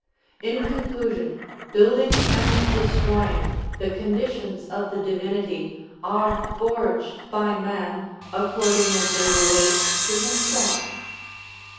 In conclusion, building and destroying, the conditions of the Divinity, are forged by man, according as they relate to himself.